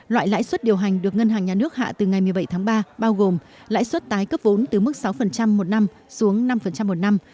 loại lãi suất điều hành được ngân hàng nhà nước hạ từ ngày một mươi bảy tháng ba bao gồm lãi suất tái cấp vốn từ mức sáu một năm xuống năm một năm